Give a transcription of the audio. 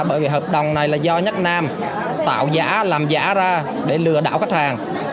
bởi vì hợp đồng này là do nhất nam tạo giá làm giả ra để lừa đảo khách hàng